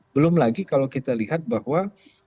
belum lagi kalau kita lihat bahwa